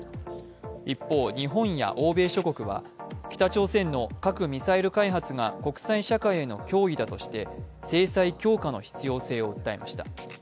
一方、日本や欧米諸国は北朝鮮の核・ミサイル開発が国際社会への脅威だとして制裁強化の必要性を訴えました。